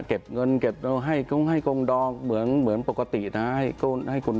เก็บเงินให้กรงดองเหมือนปกตินะฮะ